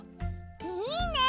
いいね！